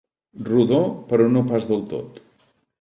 Rodó però no pas del tot.